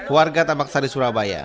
warga tambak sari surabaya